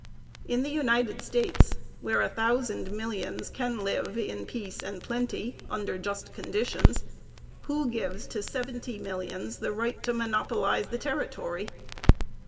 In the United States, where a thousand millions can live in peace and plenty under just conditions, who gives to seventy millions the right to monopolize the territory?